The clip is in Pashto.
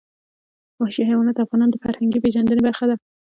وحشي حیوانات د افغانانو د فرهنګي پیژندنې برخه ده.